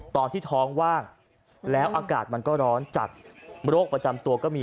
ตอนที่ท้องว่างแล้วอากาศมันก็ร้อนจากโรคประจำตัวก็มี